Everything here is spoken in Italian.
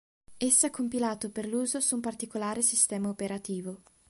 Esso è compilato per l'uso su un particolare sistema operativo.